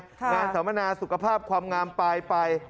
งานสามนาสุขภาพความงามไป